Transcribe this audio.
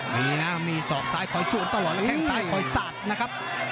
มีนะมีศอกซ้ายคอยสวนตลอดแล้วแข้งซ้ายคอยสาดนะครับ